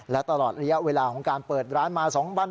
และตลอดเหลี้ยเวลาของการเปิดร้านมา๒๐๐๖